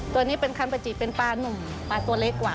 ตัวนี้เป็นคันปาจิเป็นปลานุ่มปลาตัวเล็กกว่า